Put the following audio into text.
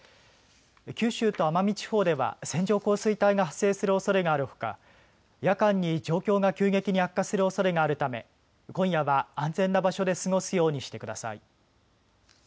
九州と奄美地方では線状降水帯が発生するおそれがあるほか夜間に状況が急激に悪化するおそれがあるため、今夜は安全な場所で過ごすようにしてください。